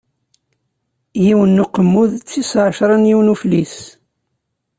Yiwen n Uqemmud, d tis ɛecṛa n yiwen n Uflis.